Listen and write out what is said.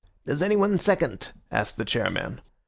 "Does anyone second?" asked the chairman.